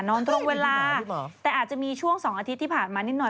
ตรงเวลาแต่อาจจะมีช่วง๒อาทิตย์ที่ผ่านมานิดหน่อย